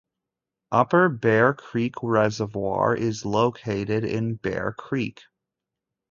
Upper Bear Creek Reservoir is located in Bear Creek.